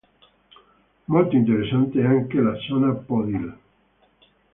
Molto interessante anche la zona Podil.